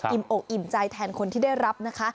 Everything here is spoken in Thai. อกอิ่มใจแทนคนที่ได้รับนะคะ